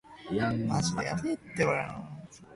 Both of them were retained as judges.